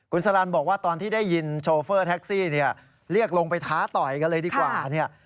คุณสรรบอกว่าตอนที่ได้ยินโชเฟอร์แท็กซี่เนี่ยเรียกลงไปท้าต่อยกันเลยดีกว่าเนี่ย